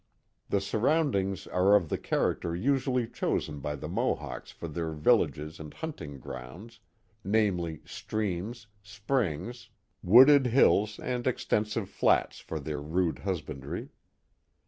The surroundings are of the character usually chosen by the Mohawks for their vil lages and hunting grounds, namely, streams, springs, wooded 128 The Mohawk Valley hills, and extensive flats for their rude husbandry.